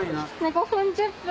５分１０分。